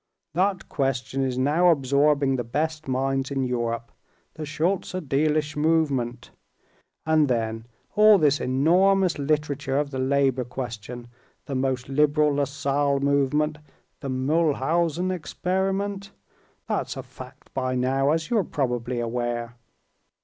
"That question is now absorbing the best minds in Europe. The Schulze Delitsch movement.... And then all this enormous literature of the labor question, the most liberal Lassalle movement ... the Mulhausen experiment? That's a fact by now, as you're probably aware."